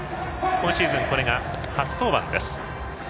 今シーズン、これが初登板です。